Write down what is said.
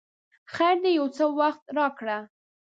خیر دی یو څه وخت راکړه!